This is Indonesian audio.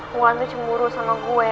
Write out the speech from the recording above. tuhan tuh cemburu sama gue